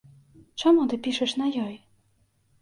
Чаму ты пішаш на ёй?